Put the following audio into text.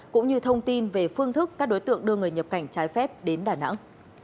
cũng như thông tin về phương thức các đối tượng đưa người nhập cảnh trái phép đến đà nẵng